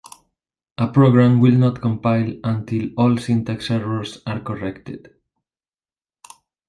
A program will not compile until all syntax errors are corrected.